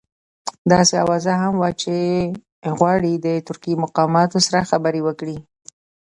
داسې اوازه هم وه چې غواړي له ترکي مقاماتو سره خبرې وکړي.